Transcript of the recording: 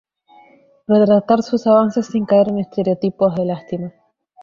Retratar sus avances sin caer en estereotipos de lástima.